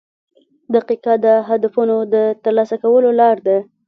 • دقیقه د هدفونو د ترلاسه کولو لار ده.